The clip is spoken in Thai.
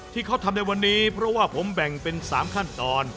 ที่เขาทำในวันนี้เพราะว่าผมแบ่งเป็น๓ขั้นตอน